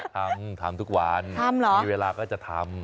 ทำทำทุกวันมีเวลาก็จะทำ